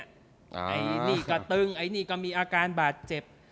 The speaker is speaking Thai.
ไอ้นี่ก็ตึงไอ้นี่ก็มีอาการบาดเจ็บ